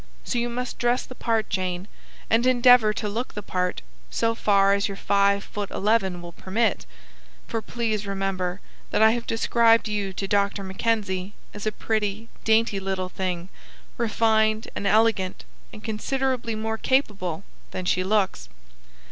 So you must dress the part, Jane, and endeavour to look the part, so far as your five foot eleven will permit; for please remember that I have described you to Dr. Mackenzie as 'a pretty, dainty little thing, refined and elegant, and considerably more capable than she looks.'"